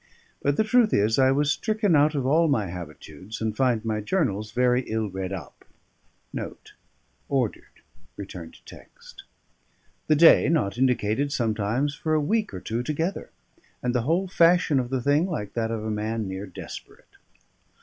But the truth is, I was stricken out of all my habitudes, and find my journals very ill redd up, the day not indicated sometimes for a week or two together, and the whole fashion of the thing like that of a man near desperate.